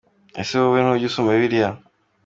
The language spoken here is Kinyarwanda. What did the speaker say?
Ese wowe ntujya usoma Bibliya ?